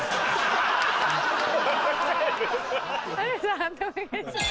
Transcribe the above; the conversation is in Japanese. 判定お願いします。